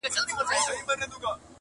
• ورته راغی چي طبیب چا ورښودلی-